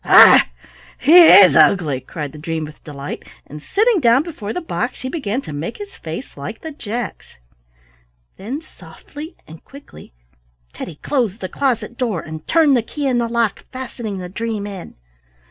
"Hi! he is ugly!" cried the dream with delight, and sitting down before the box he began to make his face like the Jack's. Then softly and quickly Teddy closed the closet door, and turned the key in the lock, fastening the dream in.